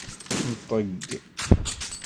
Nṭeg!